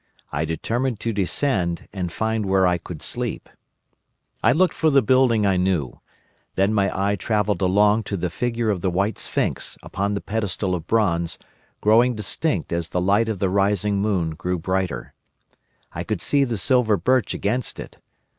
I determined to descend and find where I could sleep. "I looked for the building I knew. Then my eye travelled along to the figure of the White Sphinx upon the pedestal of bronze, growing distinct as the light of the rising moon grew brighter. I could see the silver birch against it.